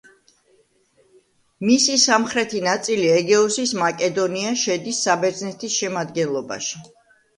მისი სამხრეთი ნაწილი ეგეოსის მაკედონია შედის საბერძნეთის შემადგენლობაში.